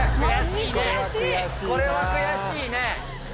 これは悔しいね。